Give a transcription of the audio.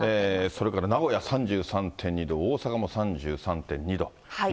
それから名古屋３３．２度、大阪も３３．２度。